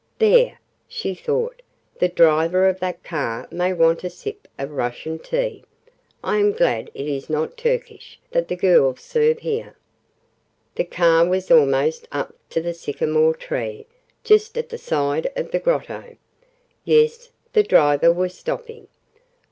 "There!" she thought; "the driver of that car may want a sip of Russian tea I am glad it is not Turkish that the girls serve here." The car was almost up to the sycamore tree, just at the side of the Grotto. Yes, the driver was stopping.